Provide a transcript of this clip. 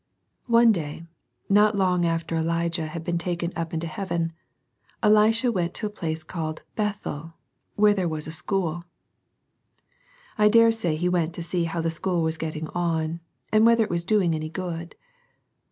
One day, not long after Elijah had been taken up to heaven, Elisha went to a place called Bethel, where there was a school. I dare say he went to see how the school was getting on, and whether it was doing any good.